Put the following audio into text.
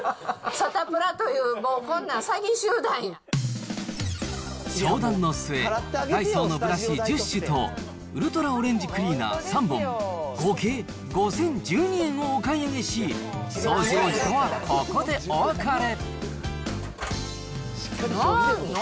サタプラという、もうこんなん詐相談の末、ダイソーのブラシ１０種と、ウルトラオレンジクリーナー３本、合計５０１２円をお買い上げし、掃除王子とはここでお別れ。